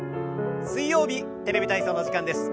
水曜日「テレビ体操」の時間です。